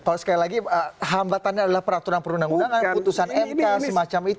kalau sekali lagi hambatannya adalah peraturan perundang undangan putusan mk semacam itu